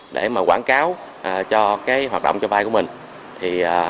để quảng cáo cho hoạt động cho vay của mình